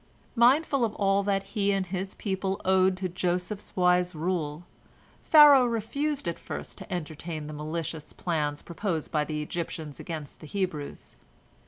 Mindful of all that he and his people owed to Joseph's wise rule, Pharaoh refused at first to entertain the malicious plans proposed by the Egyptians against the Hebrews.